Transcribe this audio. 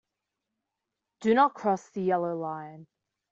Do not cross the yellow line.